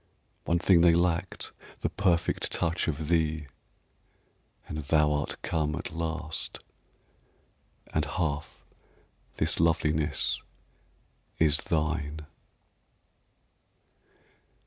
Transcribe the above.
One thing they lacked: the perfect touch Of thee and thou art come at last, And half this loveliness is thine.